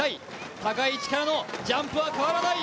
高い位置からのジャンプは変わらない。